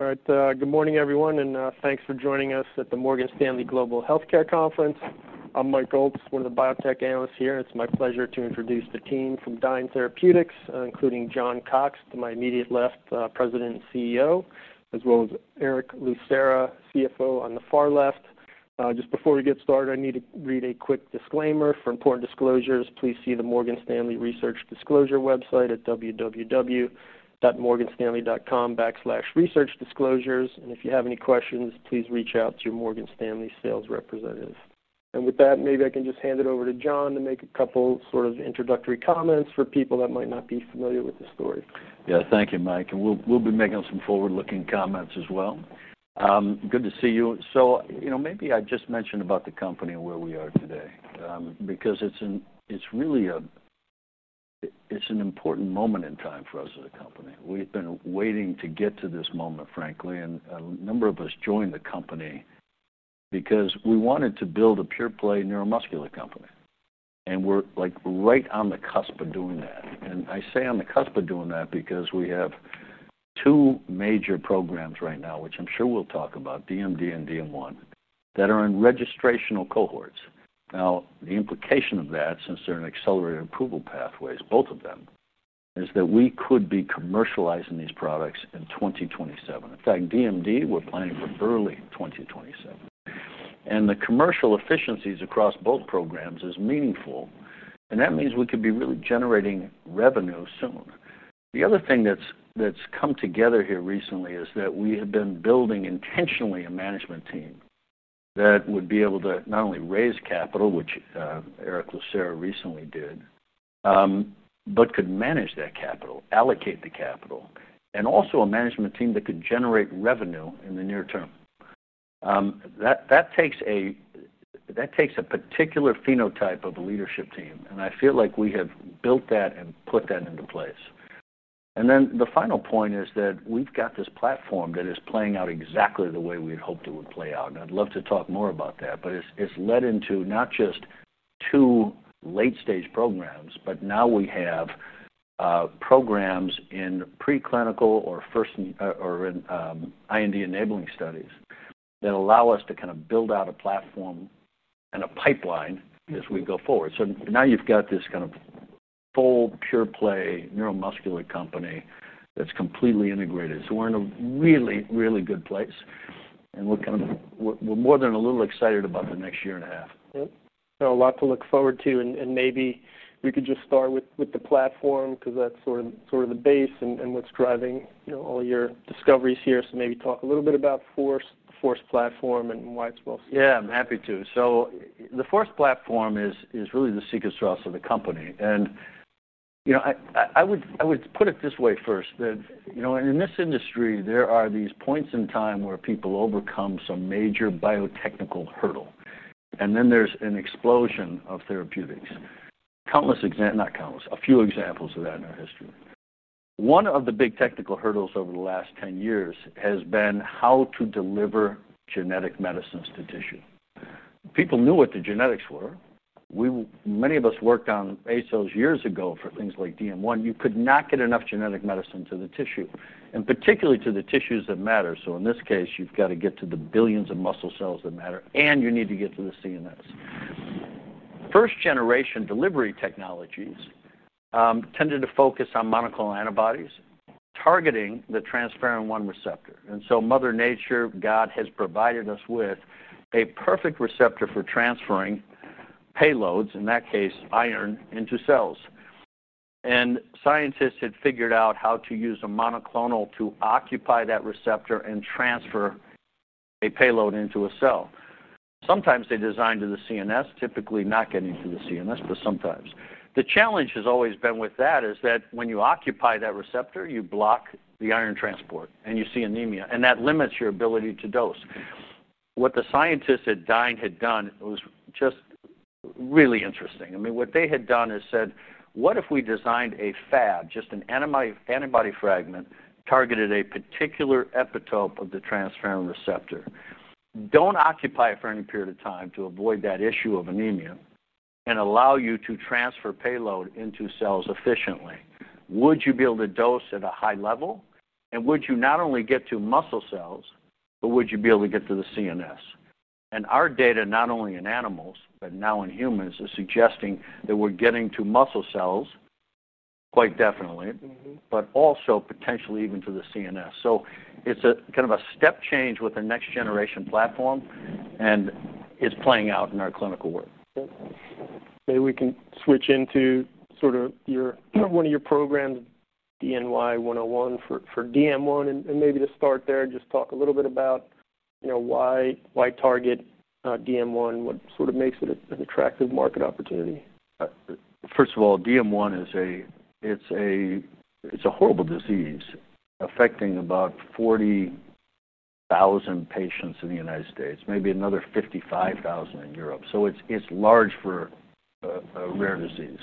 All right, good morning everyone, and thanks for joining us at the Morgan Stanley Global Healthcare Conference. I'm Mike Bolts, one of the biotech analysts here, and it's my pleasure to introduce the team from Dyne Therapeutics, including John Cox to my immediate left, President and CEO, as well as Erick Lucera, CFO on the far left. Just before we get started, I need to read a quick disclaimer for important disclosures. Please see the Morgan Stanley Research Disclosure website at www.morganstanley.com/research-disclosures, and if you have any questions, please reach out to your Morgan Stanley sales representative. With that, maybe I can just hand it over to John to make a couple sort of introductory comments for people that might not be familiar with the story. Yeah, thank you, Mike, and we'll be making some forward-looking comments as well. Good to see you. Maybe I just mention about the company and where we are today, because it's really an important moment in time for us as a company. We've been waiting to get to this moment, frankly, and a number of us joined the company because we wanted to build a pure-play neuromuscular company, and we're right on the cusp of doing that. I say on the cusp of doing that because we have two major programs right now, which I'm sure we'll talk about, DMD and DM1, that are in registrational cohorts. The implication of that, since they're in accelerated approval pathways, both of them, is that we could be commercializing these products in 2027. In fact, DMD, we're planning for early in 2027. The commercial efficiencies across both programs are meaningful, and that means we could be really generating revenue soon. The other thing that's come together here recently is that we have been building intentionally a management team that would be able to not only raise capital, which Erick Lucera recently did, but could manage that capital, allocate the capital, and also a management team that could generate revenue in the near term. That takes a particular phenotype of a leadership team, and I feel like we have built that and put that into place. The final point is that we've got this platform that is playing out exactly the way we'd hoped it would play out. I'd love to talk more about that, but it's led into not just two late-stage programs, but now we have programs in preclinical or first or in IND enabling studies that allow us to kind of build out a platform and a pipeline as we go forward. Now you've got this kind of full pure-play neuromuscular company that's completely integrated. We're in a really, really good place, and we're kind of more than a little excited about the next year and a half. Yeah, there is a lot to look forward to, and maybe we could just start with the FORCE platform because that's sort of the base and what's driving all your discoveries here. Maybe talk a little bit about the FORCE platform and why it's most. Yeah, I'm happy to. The FORCE platform is really the secret sauce of the company. I would put it this way first, that in this industry, there are these points in time where people overcome some major biotechnical hurdle, and then there's an explosion of therapeutics. Example, not countless, a few examples of that in our history. One of the big technical hurdles over the last 10 years has been how to deliver genetic medicines to tissue. People knew what the genetics were. Many of us worked on ASOs years ago for things like DM1. You could not get enough genetic medicine to the tissue, and particularly to the tissues that matter. In this case, you've got to get to the billions of muscle cells that matter, and you need to get to the CNS. First-generation delivery technologies tended to focus on monoclonal antibodies targeting the transferrin-1 receptor. Mother Nature, God, has provided us with a perfect receptor for transferring payloads, in that case, iron, into cells. Scientists had figured out how to use a monoclonal to occupy that receptor and transfer a payload into a cell. Sometimes they designed to the CNS, typically not getting to the CNS, but sometimes. The challenge has always been with that is that when you occupy that receptor, you block the iron transport, and you see anemia, and that limits your ability to dose. What the scientists at Dyne Therapeutics had done was just really interesting. What they had done is said, what if we designed a Fab, just an antibody fragment, targeted a particular epitope of the transferrin receptor? Don't occupy it for any period of time to avoid that issue of anemia and allow you to transfer payload into cells efficiently. Would you be able to dose at a high level? Would you not only get to muscle cells, but would you be able to get to the CNS? Our data, not only in animals, but now in humans, is suggesting that we're getting to muscle cells quite definitely, but also potentially even to the CNS. It's a kind of a step change with the next generation platform, and it's playing out in our clinical work. Maybe we can switch into sort of one of your programs, DYNE-101, for DM1, and maybe to start there, just talk a little bit about, you know, why target DM1, what sort of makes it an attractive market opportunity. First of all, DM1 is a, it's a horrible disease affecting about 40,000 patients in the United States, maybe another 55,000 in Europe. It's large for a rare disease.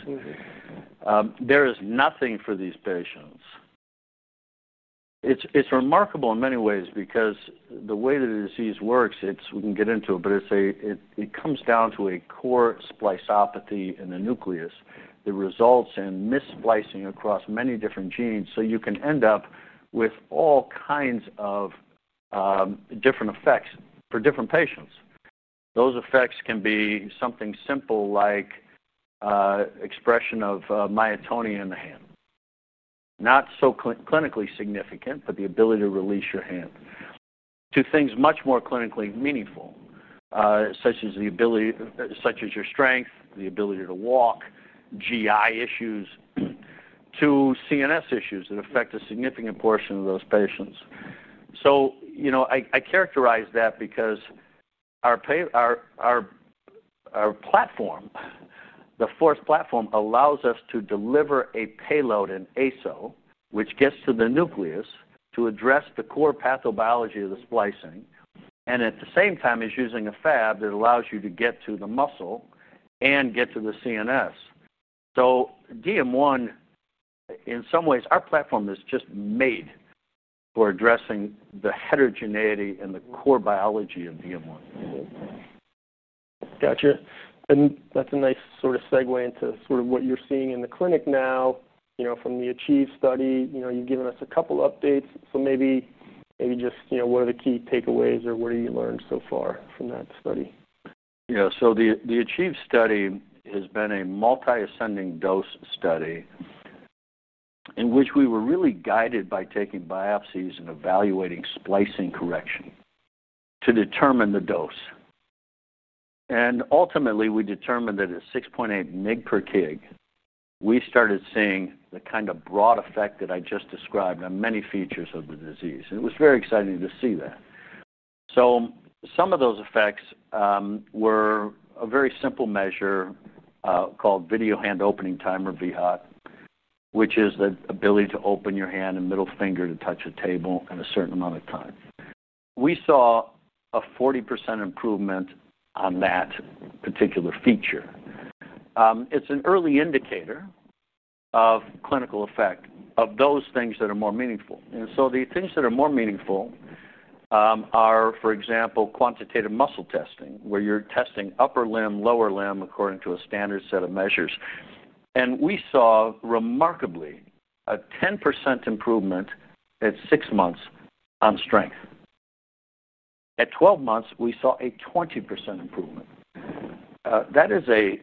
There is nothing for these patients. It's remarkable in many ways because the way that the disease works, we can get into it, but it comes down to a core splicepathy in the nucleus that results in missplicing across many different genes. You can end up with all kinds of different effects for different patients. Those effects can be something simple like expression of myotonia in the hand, not so clinically significant, but the ability to release your hand to things much more clinically meaningful, such as your strength, the ability to walk, GI issues, to CNS issues that affect a significant portion of those patients. I characterize that because our platform, the FORCE platform, allows us to deliver a payload in ASOs, which gets to the nucleus to address the core pathobiology of the splicing, and at the same time is using a FAD that allows you to get to the muscle and get to the CNS. DM1, in some ways, our platform is just made for addressing the heterogeneity and the core biology of DM1. Gotcha. That's a nice sort of segue into what you're seeing in the clinic now from the ACOS study. You've given us a couple of updates. Maybe just, what are the key takeaways or what have you learned so far from that study? Yeah, so the ACOS study has been a multi-ascending dose study in which we were really guided by taking biopsies and evaluating splicing correction to determine the dose. Ultimately, we determined that at 6.8 mg/kg, we started seeing the kind of broad effect that I just described on many features of the disease. It was very exciting to see that. Some of those effects were a very simple measure, called video hand opening time or VHOT, which is the ability to open your hand and middle finger to touch a table in a certain amount of time. We saw a 40% improvement on that particular feature. It's an early indicator of clinical effect of those things that are more meaningful. The things that are more meaningful are, for example, quantitative muscle testing, where you're testing upper limb, lower limb, according to a standard set of measures. We saw, remarkably, a 10% improvement at six months on strength. At 12 months, we saw a 20% improvement. That is a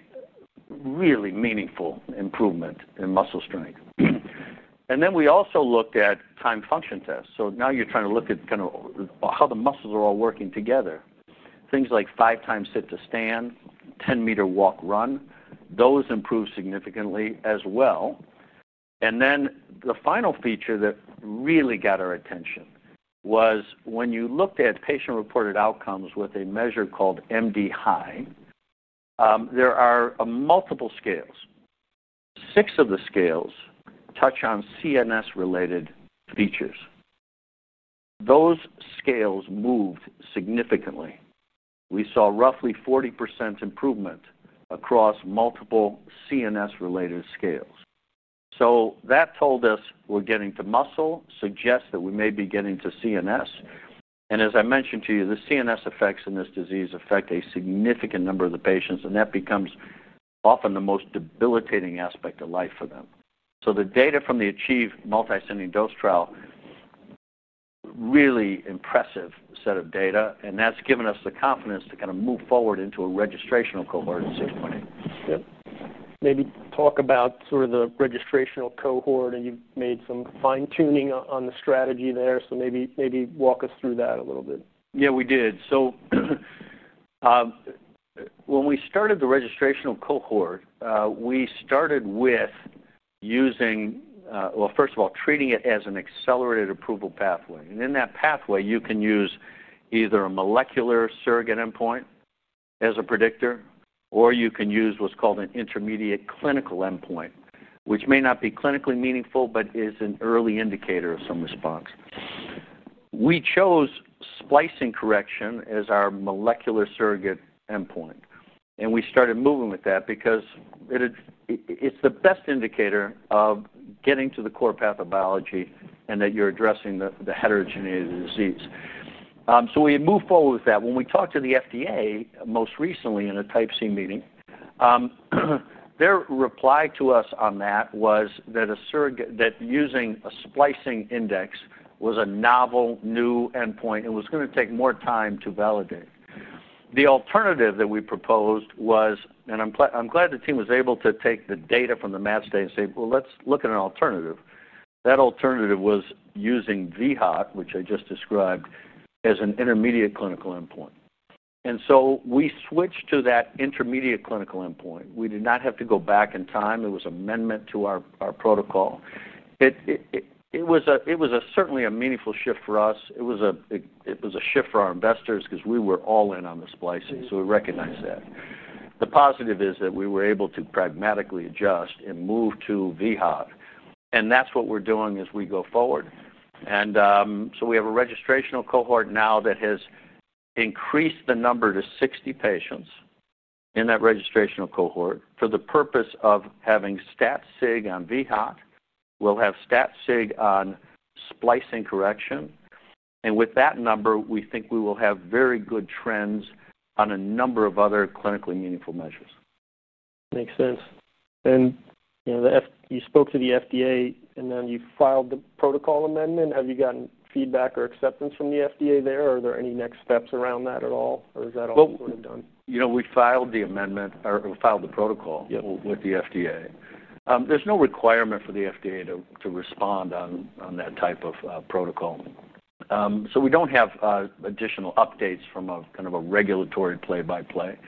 really meaningful improvement in muscle strength. We also looked at time function tests. Now you're trying to look at kind of how the muscles are all working together. Things like five times sit to stand, 10-meter walk run, those improve significantly as well. The final feature that really got our attention was when you looked at patient-reported outcomes with a measure called MD-High, there are multiple scales. Six of the scales touch on CNS-related features. Those scales moved significantly. We saw roughly 40% improvement across multiple CNS-related scales. That told us we're getting to muscle, suggests that we may be getting to CNS. As I mentioned to you, the CNS effects in this disease affect a significant number of the patients, and that becomes often the most debilitating aspect of life for them. The data from the ACOS multi-ascending dose trial, really impressive set of data, and that's given us the confidence to kind of move forward into a registrational cohort in 2020. Maybe talk about sort of the registrational cohort, and you've made some fine-tuning on the strategy there. Maybe walk us through that a little bit. Yeah, we did. When we started the registrational cohort, we started with using, first of all, treating it as an accelerated approval pathway. In that pathway, you can use either a molecular surrogate endpoint as a predictor, or you can use what's called an intermediate clinical endpoint, which may not be clinically meaningful, but is an early indicator of some response. We chose splicing correction as our molecular surrogate endpoint. We started moving with that because it's the best indicator of getting to the core pathobiology and that you're addressing the heterogeneity of the disease. We moved forward with that. When we talked to the FDA most recently in a type C meeting, their reply to us on that was that using a splicing index was a novel, new endpoint. It was going to take more time to validate. The alternative that we proposed was, and I'm glad the team was able to take the data from the mass data and say, let's look at an alternative. That alternative was using VHOT, which I just described, as an intermediate clinical endpoint. We switched to that intermediate clinical endpoint. We did not have to go back in time. It was an amendment to our protocol. It was certainly a meaningful shift for us. It was a shift for our investors because we were all in on the splicing, so we recognize that. The positive is that we were able to pragmatically adjust and move to VHOT, and that's what we're doing as we go forward. We have a registrational cohort now that has increased the number to 60 patients in that registrational cohort for the purpose of having stat-sig on VHOT. We'll have stat-sig on splicing correction. With that number, we think we will have very good trends on a number of other clinically meaningful measures. Makes sense. You spoke to the FDA, and then you filed the protocol amendment. Have you gotten feedback or acceptance from the FDA there, or are there any next steps around that at all, or is that all sort of done? We filed the amendment or we filed the protocol with the FDA. There's no requirement for the FDA to respond on that type of protocol, so we don't have additional updates from a kind of a regulatory play-by-play.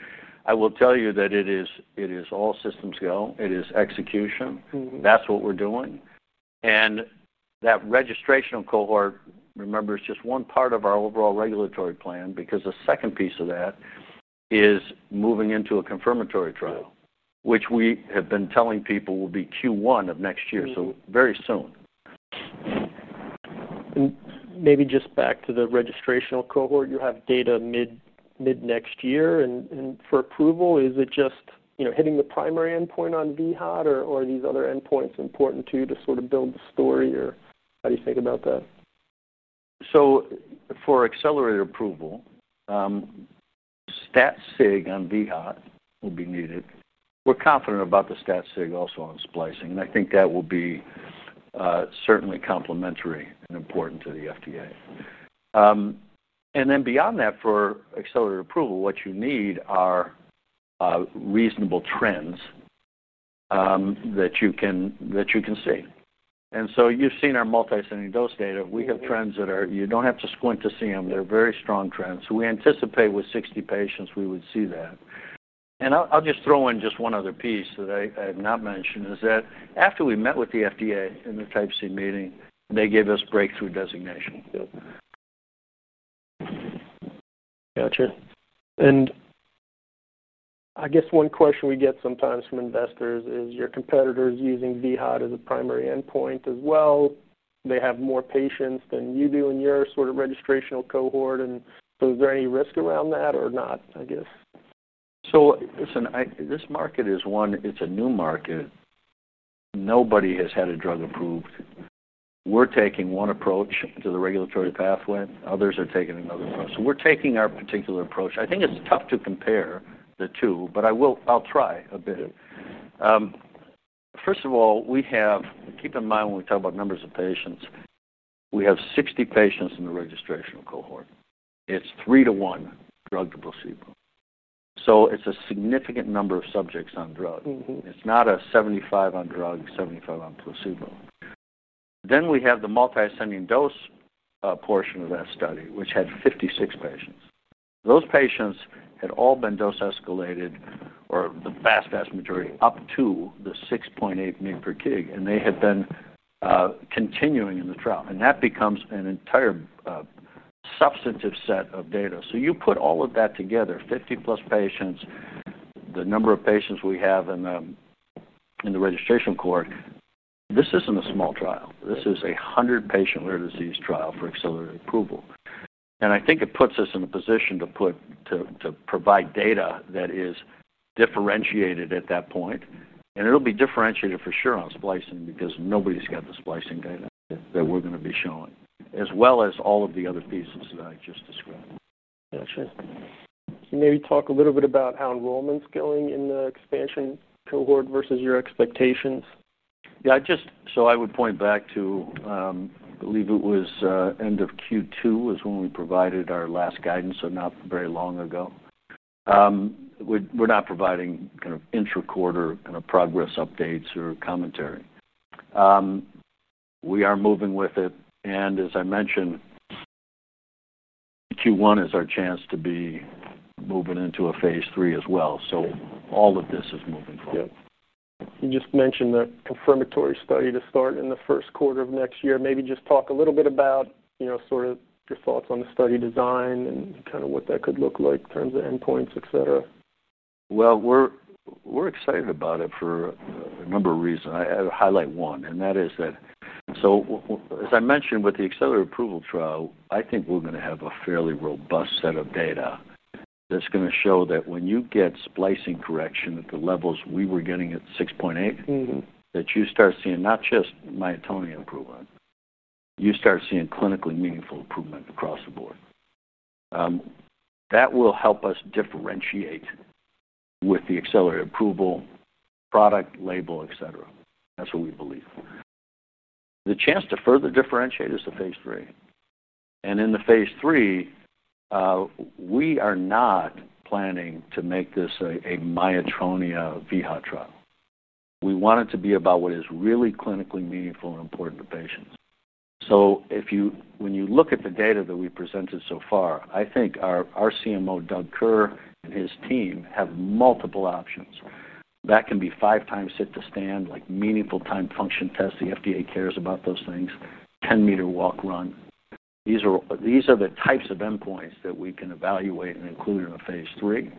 I will tell you that it is all systems go. It is execution, that's what we're doing. That registrational cohort, remember, is just one part of our overall regulatory plan because the second piece of that is moving into a confirmatory trial, which we have been telling people will be Q1 of next year, very soon. Maybe just back to the registrational cohort, you have data mid-next year. For approval, is it just, you know, hitting the primary endpoint on VHOT, or are these other endpoints important to you to sort of build the story, or how do you think about that? For accelerated approval, stat-sig on VHOT will be needed. We're confident about the stat-sig also on splicing, and I think that will be certainly complementary and important to the FDA. Beyond that, for accelerated approval, what you need are reasonable trends that you can see. You've seen our multisending dose data. We have trends that are, you don't have to squint to see them. They're very strong trends. We anticipate with 60 patients, we would see that. I'll just throw in just one other piece that I have not mentioned is that after we met with the FDA in the type C meeting, they gave us breakthrough designation. Gotcha. I guess one question we get sometimes from investors is, your competitors are using VHOT as a primary endpoint as well. They have more patients than you do in your sort of registrational cohort. Is there any risk around that or not, I guess? Listen, this market is one, it's a new market. Nobody has had a drug approved. We're taking one approach to the regulatory pathway. Others are taking another approach. We're taking our particular approach. I think it's tough to compare the two, but I will try a bit. First of all, we have, keep in mind when we talk about numbers of patients, we have 60 patients in the registrational cohort. It's 3 to 1 drug to placebo. It's a significant number of subjects on drug. It's not a 75 on drug, 75 on placebo. We have the multisending dose portion of that study, which had 56 patients. Those patients had all been dose-escalated, or the vast, vast majority, up to the 6.8 mg/kg, and they had been continuing in the trial. That becomes an entire substantive set of data. You put all of that together, 50 plus patients, the number of patients we have in the registrational cohort, this isn't a small trial. This is a 100-patient rare disease trial for accelerated approval. I think it puts us in a position to provide data that is differentiated at that point. It'll be differentiated for sure on splicing because nobody's got the splicing data that we're going to be showing, as well as all of the other pieces that I just described. Gotcha. Maybe talk a little bit about how enrollment's going in the expansion cohort versus your expectations. I would point back to, I believe it was end of Q2 when we provided our last guidance, so not very long ago. We're not providing kind of intra-quarter progress updates or commentary. We are moving with it. As I mentioned, Q1 is our chance to be moving into a phase three as well. All of this is moving forward. Yep. You just mentioned the confirmatory study to start in the first quarter of next year. Maybe just talk a little bit about, you know, sort of your thoughts on the study design and kind of what that could look like in terms of endpoints, etc. We're excited about it for a number of reasons. I highlight one, and that is that, as I mentioned with the accelerated approval trial, I think we're going to have a fairly robust set of data that's going to show that when you get splicing correction at the levels we were getting at 6.8, you start seeing not just myotonia improvement, you start seeing clinically meaningful improvement across the board. That will help us differentiate with the accelerated approval, product, label, etc. That's what we believe. The chance to further differentiate is the phase three. In the phase three, we are not planning to make this a myotonia VHOT trial. We want it to be about what is really clinically meaningful and important to patients. When you look at the data that we presented so far, I think our Chief Medical Officer, Doug Kerr, and his team have multiple options. That can be five times sit to stand, like meaningful time function tests. The FDA cares about those things. 10-meter walk run. These are the types of endpoints that we can evaluate and include in a phase three.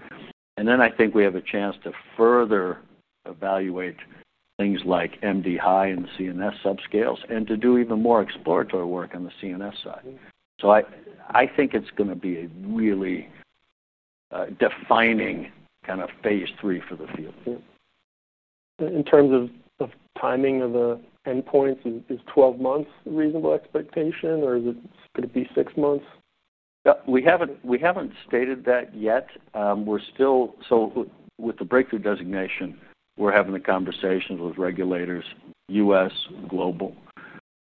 I think we have a chance to further evaluate things like MD-High and CNS subscales and to do even more exploratory work on the CNS side. I think it's going to be a really defining kind of phase three for the field. In terms of timing of the endpoints, is 12 months a reasonable expectation, or could it be six months? We haven't stated that yet. With the breakthrough designation, we're having the conversations with regulators, U.S., global.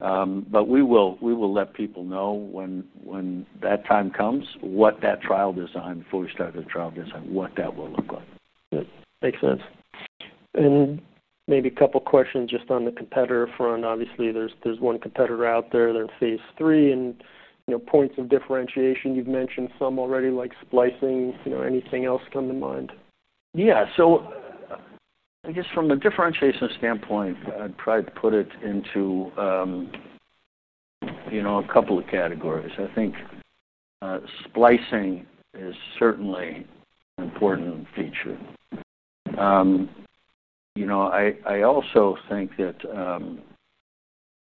We will let people know when that time comes, what that trial design, before we start the trial design, what that will look like. Makes sense. Maybe a couple of questions just on the competitor front. Obviously, there's one competitor out there. They're in phase three and, you know, points of differentiation. You've mentioned some already, like splicing. You know, anything else come to mind? Yeah. From the differentiation standpoint, I'd probably put it into a couple of categories. I think splicing is certainly an important feature. I also think that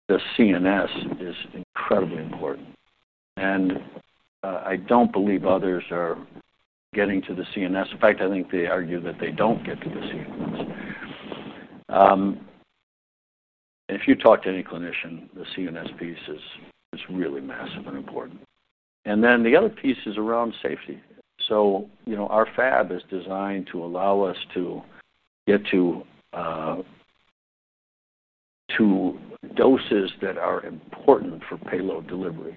the CNS is incredibly important. I don't believe others are getting to the CNS. In fact, I think they argue that they don't get to the CNS. If you talk to any clinician, the CNS piece is really massive and important. The other piece is around safety. Our fab is designed to allow us to get to doses that are important for payload delivery,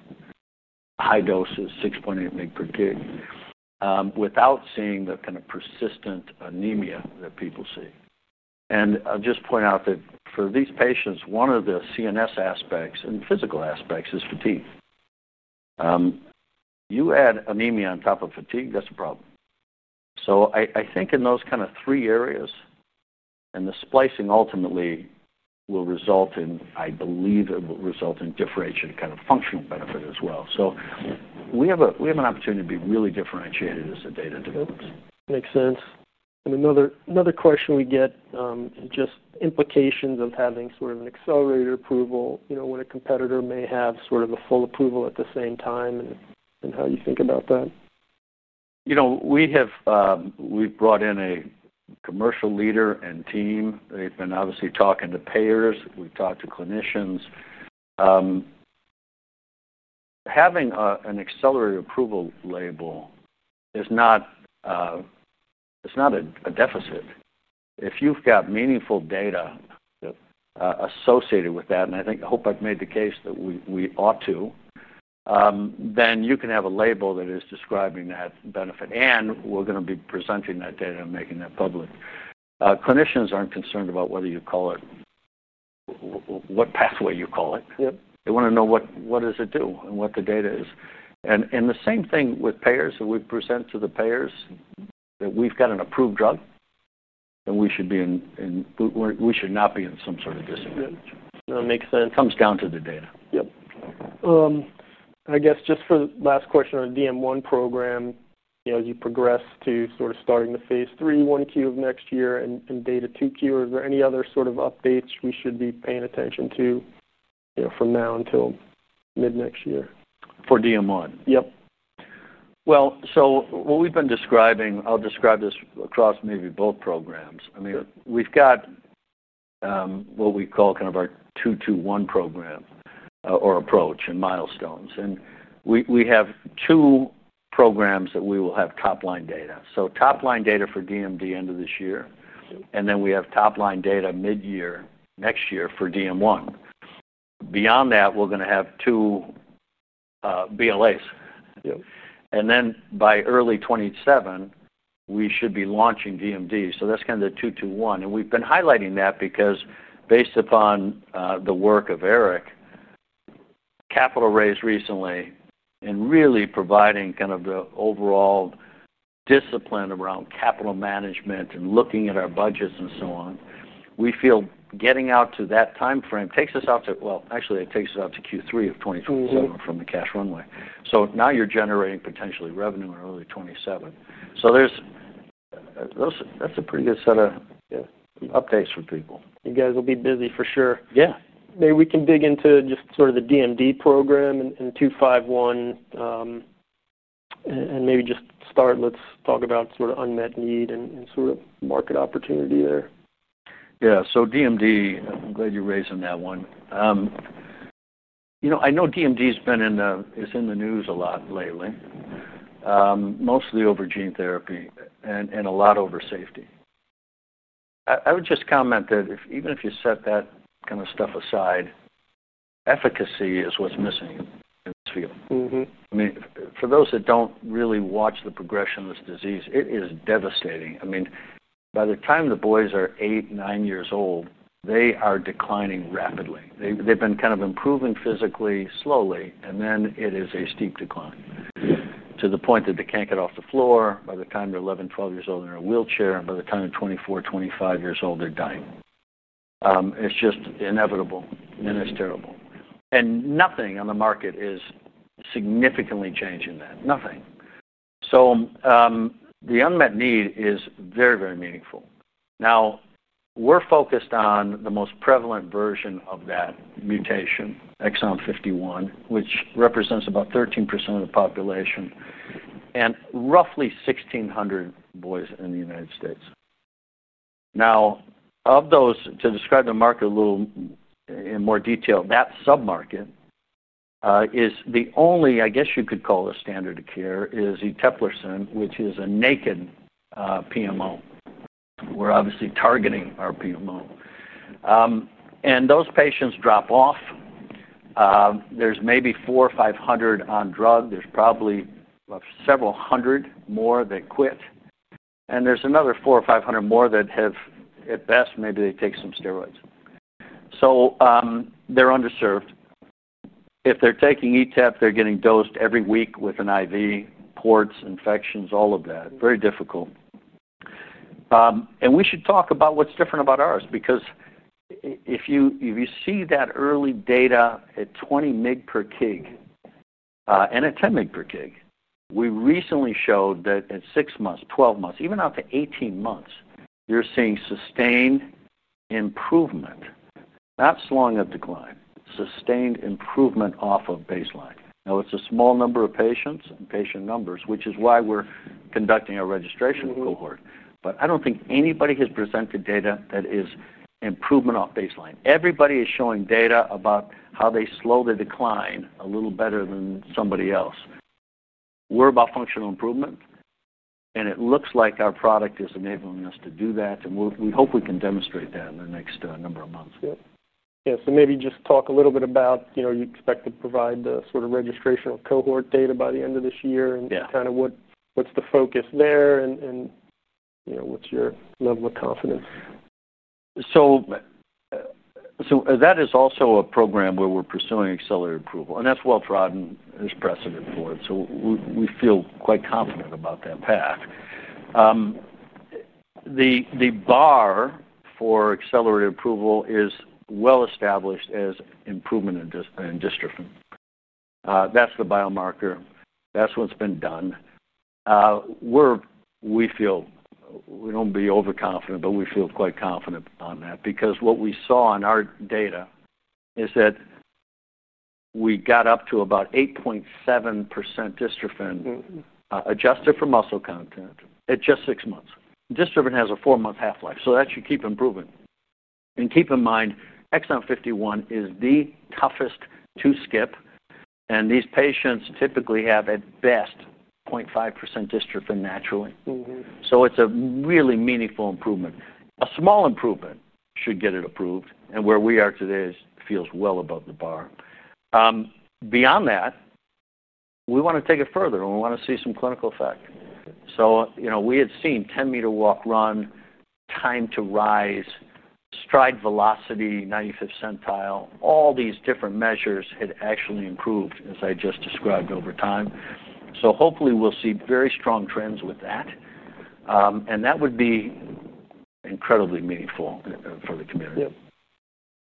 high doses, 6.8 mg/kg, without seeing the kind of persistent anemia that people see. I'll just point out that for these patients, one of the CNS aspects and physical aspects is fatigue. You add anemia on top of fatigue, that's a problem. In those three areas, and the splicing ultimately will result in, I believe it will result in differentiated kind of functional benefit as well. We have an opportunity to be really differentiated as the data develops. Makes sense. Another question we get is just implications of having sort of an accelerated approval, you know, when a competitor may have sort of a full approval at the same time, and how do you think about that? We've brought in a commercial leader and team. They've been obviously talking to payers. We've talked to clinicians. Having an accelerated approval label is not a deficit. If you've got meaningful data associated with that, and I think I hope I've made the case that we ought to, then you can have a label that is describing that benefit. We're going to be presenting that data and making that public. Clinicians aren't concerned about what pathway you call it. They want to know what does it do and what the data is. The same thing with payers, that we present to the payers that we've got an approved drug, and we should be in, we should not be in some sort of disagreement. No, it makes sense. It comes down to the data. Yep. I guess just for the last question on the DM1 program, you know, as you progress to sort of starting the phase three, 1Q of next year, and data 2Q, are there any other sort of updates we should be paying attention to, you know, from now until mid-next year? For DM1? Yeah What we've been describing, I'll describe this across maybe both programs. I mean, we've got what we call kind of our 2-2-1 program or approach and milestones. We have two programs that we will have top-line data. Top-line data for DMD end of this year, and then we have top-line data mid-year, next year for DM1. Beyond that, we're going to have two BLAs. Yep. By early 2027, we should be launching DMD. That's kind of the 2-2-1. We've been highlighting that because based upon the work of Eric, capital raised recently, and really providing kind of the overall discipline around capital management and looking at our budgets and so on, we feel getting out to that timeframe takes us out to, actually, it takes us out to Q3 of 2027 from the cash runway. Now you're generating potentially revenue in early 2027. That's a pretty good set of updates for people. You guys will be busy for sure. Yeah. Maybe we can dig into just sort of the DMD program and DYNE-251, and maybe just start, let's talk about sort of unmet need and sort of market opportunity there. Yeah. DMD, I'm glad you're raising that one. I know DMD has been in the news a lot lately, mostly over gene therapy and a lot over safety. I would just comment that even if you set that kind of stuff aside, efficacy is what's missing in this field. For those that don't really watch the progression of this disease, it is devastating. By the time the boys are eight, nine years old, they are declining rapidly. They've been kind of improving physically slowly, and then it is a steep decline to the point that they can't get off the floor. By the time they're 11, 12 years old, they're in a wheelchair, and by the time they're 24, 25 years old, they're dying. It's just inevitable, and it's terrible. Nothing on the market is significantly changing that. Nothing. The unmet need is very, very meaningful. We're focused on the most prevalent version of that mutation, Exon 51, which represents about 13% of the population and roughly 1,600 boys in the United States. Of those, to describe the market a little in more detail, that submarket is the only, I guess you could call it a standard of care, is the Eteplirsen, which is a naked PMO. We're obviously targeting our PMO. Those patients drop off. There's maybe 400 or 500 on drug. There's probably several hundred more that quit. There's another 400 or 500 more that have, at best, maybe they take some steroids. They're underserved. If they're taking Eteplirsen, they're getting dosed every week with an IV, ports, infections, all of that. Very difficult. We should talk about what's different about ours because if you see that early data at 20 mg/kg and at 10 mg/kg, we recently showed that at 6 months, 12 months, even up to 18 months, you're seeing sustained improvement, not slung of decline, sustained improvement off of baseline. It's a small number of patients and patient numbers, which is why we're conducting a registrational cohort. I don't think anybody has presented data that is improvement off baseline. Everybody is showing data about how they slowly decline a little better than somebody else. We're about functional improvement, and it looks like our product is enabling us to do that. We hope we can demonstrate that in the next number of months. Yeah. Maybe just talk a little bit about, you know, you expect to provide the sort of registrational cohort data by the end of this year, and kind of what's the focus there, and you know, what's your level of confidence? That is also a program where we're pursuing accelerated approval, and that's Wells Rodden as precedent for it. We feel quite confident about that path. The bar for accelerated approval is well established as improvement in dystrophin. That's the biomarker. That's what's been done. We feel we don't be overconfident, but we feel quite confident on that because what we saw in our data is that we got up to about 8.7% dystrophin adjusted for muscle content at just six months. Dystrophin has a four-month half-life, so that should keep improving. Keep in mind, Exon 51 is the toughest to skip, and these patients typically have at best 0.5% dystrophin naturally. It's a really meaningful improvement. A small improvement should get it approved, and where we are today feels well above the bar. Beyond that, we want to take it further, and we want to see some clinical effect. We had seen 10-meter walk run, time to rise, stride velocity, 95th centile, all these different measures had actually improved, as I just described, over time. Hopefully, we'll see very strong trends with that. That would be incredibly meaningful for the community.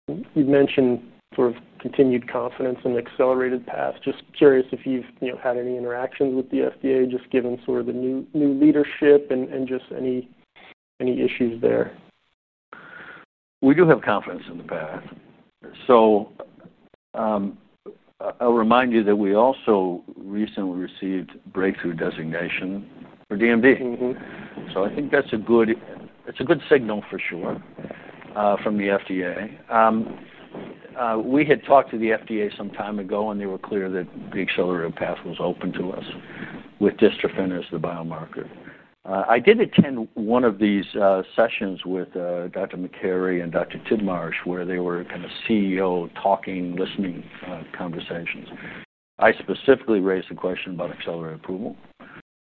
You mentioned sort of continued confidence in the accelerated approval pathway. Just curious if you've had any interactions with the FDA, just given sort of the new leadership and any issues there. We do have confidence in the path. I'll remind you that we also recently received breakthrough designation for DMD. I think that's a good signal for sure from the FDA. We had talked to the FDA some time ago, and they were clear that the accelerated path was open to us with dystrophin as the biomarker. I did attend one of these sessions with Dr. McCary and Dr. Tidmarsh, where they were kind of CEO talking, listening conversations. I specifically raised a question about accelerated approval,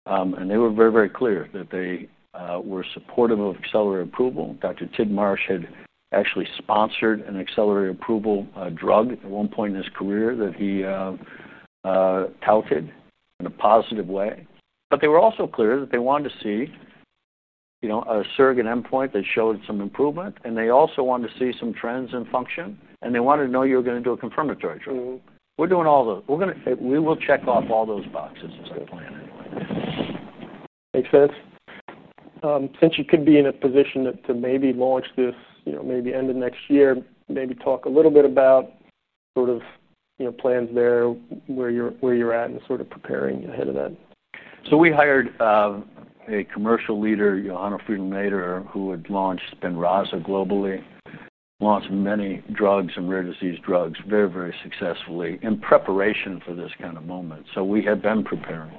and they were very, very clear that they were supportive of accelerated approval. Dr. Tidmarsh had actually sponsored an accelerated approval drug at one point in his career that he touted in a positive way. They were also clear that they wanted to see a surrogate endpoint that showed some improvement, and they also wanted to see some trends in function, and they wanted to know you were going to do a confirmatory drug. We're doing all those. We will check off all those boxes as a plan anyway. Makes sense. Since you could be in a position to maybe launch this, you know, maybe end of next year, maybe talk a little bit about sort of plans there, where you're at and sort of preparing ahead of that. We hired a commercial leader, Johanna Friedel Nader, who had launched Spinraza globally, launched many drugs and rare disease drugs very, very successfully in preparation for this kind of moment. We had been preparing.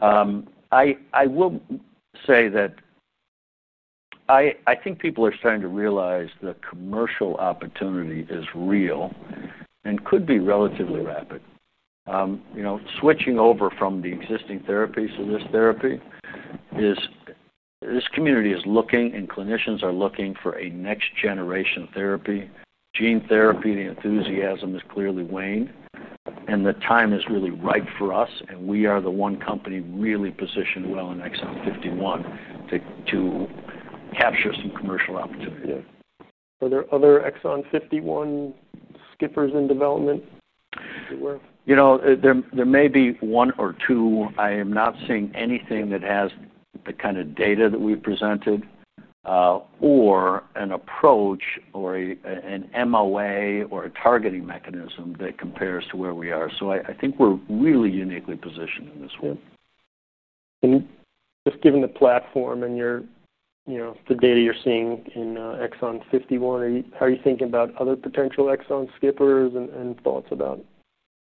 I will say that I think people are starting to realize the commercial opportunity is real and could be relatively rapid. Switching over from the existing therapy to this therapy, this community is looking and clinicians are looking for a next-generation therapy, gene therapy. The enthusiasm has clearly waned, and the time is really ripe for us, and we are the one company really positioned well in Exon 51 to capture some commercial opportunity. Yeah. Are there other Exon 51 skippers in development? There may be one or two. I am not seeing anything that has the kind of data that we presented or an approach or an MOA or a targeting mechanism that compares to where we are. I think we're really uniquely positioned in this role. Given the platform and your, you know, the data you're seeing in Exon 51, are you thinking about other potential exon-skipping therapies and thoughts about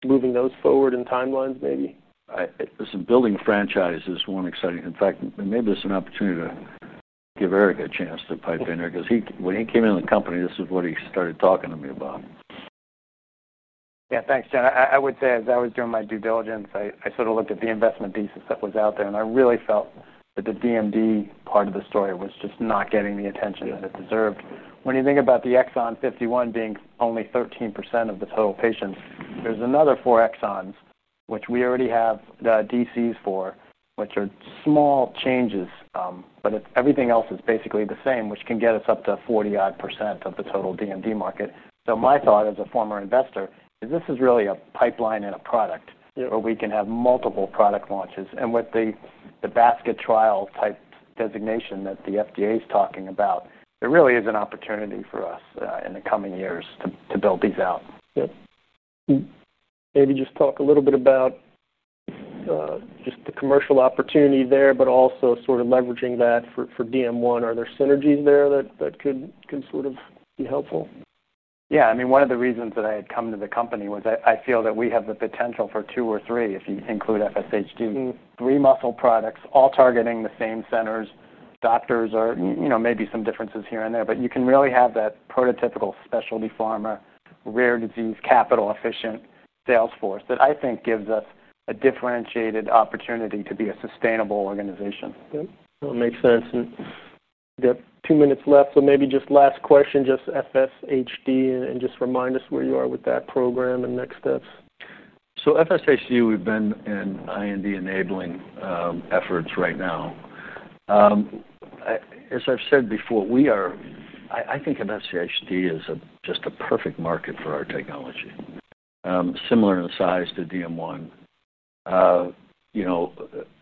moving those forward in timelines maybe? I was building franchises. One exciting, in fact, maybe this is an opportunity to give Erick a chance to pipe in here because when he came into the company, this is what he started talking to me about. Yeah, thanks, John. I would say, as I was doing my due diligence, I sort of looked at the investment thesis that was out there, and I really felt that the DMD part of the story was just not getting the attention that it deserved. When you think about the Exon 51 being only 13% of the total patients, there's another four exons, which we already have DCs for, which are small changes, but everything else is basically the same, which can get us up to 40% of the total DMD market. My thought as a former investor is this is really a pipeline and a product where we can have multiple product launches. With the basket trial type designation that the FDA is talking about, there really is an opportunity for us in the coming years to build these out. Yeah. Maybe just talk a little bit about the commercial opportunity there, but also sort of leveraging that for DM1. Are there synergies there that could be helpful? Yeah, I mean, one of the reasons that I had come to the company was I feel that we have the potential for two or three, if you include facioscapulohumeral muscular dystrophy. Three muscle products, all targeting the same centers. Doctors are, you know, maybe some differences here and there, but you can really have that prototypical specialty pharma, rare disease, capital-efficient sales force that I think gives us a differentiated opportunity to be a sustainable organization. That makes sense. We've got two minutes left, so maybe just last question, FSHD, and just remind us where you are with that program and next steps. FSHD, we've been in IND enabling efforts right now. As I've said before, I think FSHD is just a perfect market for our technology, similar in size to DM1. You know,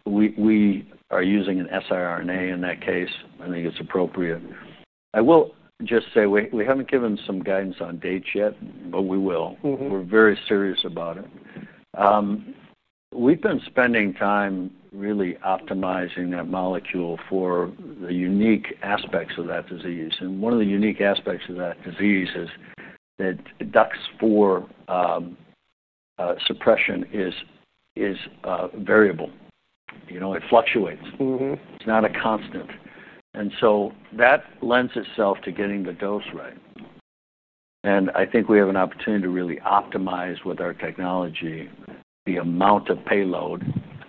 we are using an siRNA in that case. I think it's appropriate. I will just say we haven't given some guidance on dates yet, but we will. We're very serious about it. We've been spending time really optimizing that molecule for the unique aspects of that disease. One of the unique aspects of that disease is that DUX4 suppression is variable. You know, it fluctuates. It's not a constant. That lends itself to getting the dose right. I think we have an opportunity to really optimize with our technology the amount of payload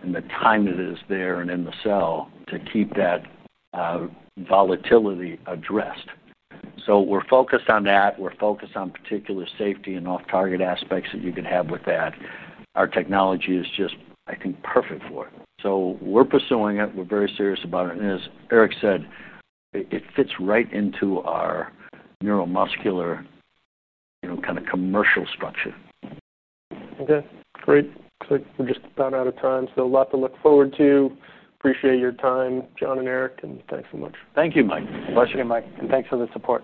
and the time that it is there and in the cell to keep that volatility addressed. We're focused on that. We're focused on particular safety and off-target aspects that you could have with that. Our technology is just, I think, perfect for it. We're pursuing it. We're very serious about it. As Erick said, it fits right into our neuromuscular, you know, kind of commercial structure. Okay. Great. We're just about out of time, so a lot to look forward to. Appreciate your time, John and Erick, and thanks so much. Thank you, Mike. Thank you, Mike. Appreciate it. Thank you for this report.